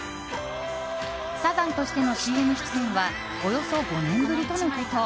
サザンとしてのＣＭ出演はおよそ５年ぶりとのこと。